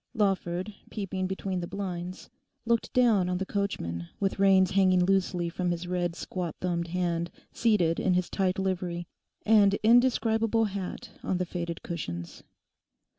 Lawford, peeping between the blinds, looked down on the coachman, with reins hanging loosely from his red squat thumbed hand, seated in his tight livery and indescribable hat on the faded cushions.